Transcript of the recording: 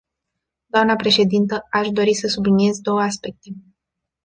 Doamnă președintă, aș dori să subliniez două aspecte.